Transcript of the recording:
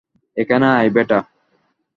এখানে আয়, বেটা।